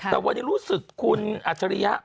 แต่วันนี้รู้สึกคุณอัจฉริยะ